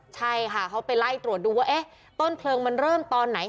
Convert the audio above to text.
ใช่ค่ะเขาไปไล่ตรวจดูว่าเอ๊ะต้นเพลิงมันเริ่มตอนไหน